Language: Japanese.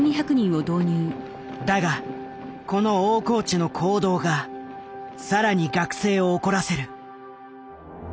だがこの大河内の行動が更に学生を怒らせる。